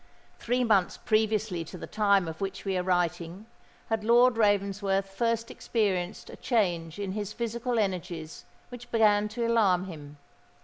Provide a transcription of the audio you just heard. Three months previously to the time of which we are writing had Lord Ravensworth first experienced a change in his physical energies which began to alarm him.